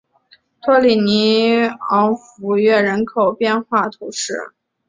托里尼昂弗约人口变化图示